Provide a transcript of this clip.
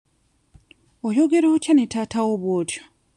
Oyogera otya ne taata wo bw'otyo?